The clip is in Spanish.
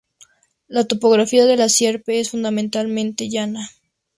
La topografía de La Sierpe es fundamentalmente llana.